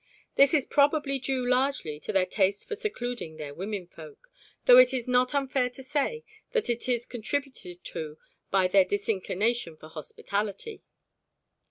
This is probably due largely to their taste for secluding their womenfolk, though it is not unfair to say that it is contributed to by their disinclination for hospitality.